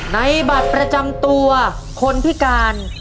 บัตรประจำตัวคนพิการ